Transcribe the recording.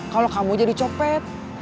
kalau kamu jadi copet